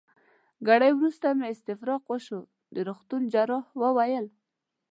ګړی وروسته مې استفراق وشو، د روغتون جراح وویل.